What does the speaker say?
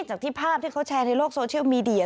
จากที่ภาพที่เขาแชร์ในโลกโซเชียลมีเดีย